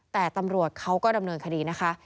แต่ตำรวจเขาก็ดำเนินคดีนะคะ